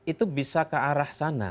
itu bisa ke arah sana